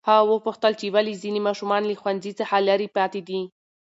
هغه وپوښتل چې ولې ځینې ماشومان له ښوونځي څخه لرې پاتې دي.